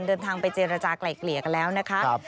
เดินทางไปเจรจากลายเกลี่ยกันแล้วนะคะ